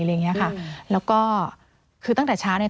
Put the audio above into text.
แล้วก็คือตั้งแต่เช้าเนี่ย